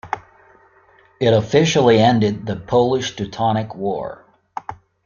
It officially ended the Polish-Teutonic War.